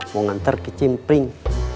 mau nganter kicim pring